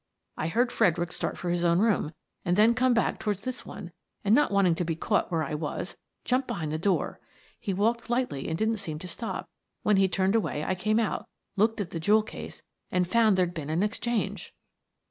I heard Fredericks start for his own room and then come back toward this one, and, not wanting to be caught where I was, jumped be hind the door. He walked lightly and didn't seem to stop. When he'd turned away I came out, looked at the jewel case, and found there'd been an ex change."